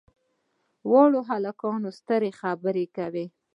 واړه هلکان سترې خبرې کوي.